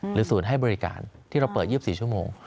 หรือสูตรให้บริการที่เราเปิด๒๔ชั่วโมง